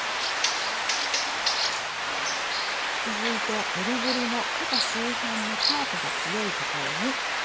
続いてえりぐりの肩周辺のカーブが強いところに切り込みを入れます。